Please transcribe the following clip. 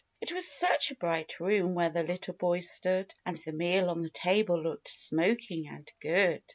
" It was such a bright room where the little boy stood, And the meal on the table looked smoking and good.